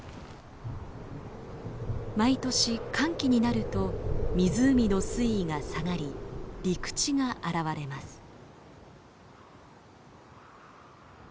毎年乾季になると湖の水位が下がり陸地が現れます。